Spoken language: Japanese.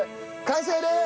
完成です！